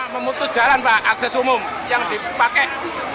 memutus jalan pak akses umum yang dipakai